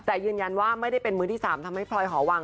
แต่ยืนยันว่าไม่ได้เป็นมือที่๓ทำให้พลอยหอวัง